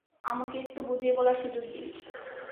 আমাকে একটু বুঝিয়ে বলার সুযোগ দিন!